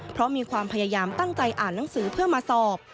เพราะมีความพยายามตั้งใจอ่านหนังสือเพื่อมาสอบ